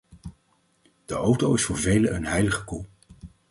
De auto is voor velen een heilige koe.